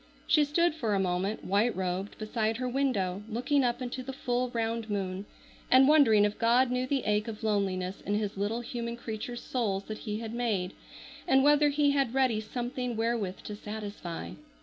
She stood for a moment, white robed, beside her window, looking up into the full round moon, and wondering if God knew the ache of loneliness in His little human creatures' souls that He had made, and whether He had ready something wherewith to satisfy.